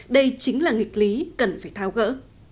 đây chính là nghịch lý cần phải thao gỡ